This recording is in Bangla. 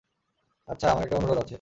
আচ্ছা, আমার একটা অনুরোধ আছে।